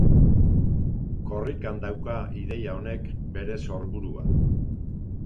Korrikan dauka ideia honek bere sorburua.